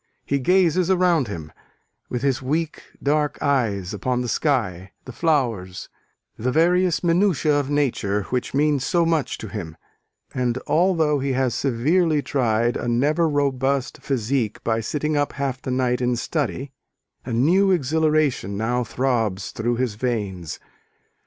He gazes around him, with his weak dark eyes, upon the sky, the flowers, the various minutiæ of nature which mean so much to him: and although he has severely tried a never robust physique by sitting up half the night in study, a new exhilaration now throbs through his veins.